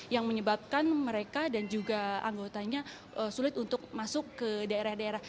yang menyebabkan mereka dan juga anggotanya sulit untuk masuk ke daerah daerah